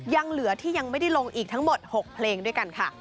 ยังเหลือที่ยังไม่ได้ลงอีกทั้งหมด๖เพลงด้วยกันค่ะ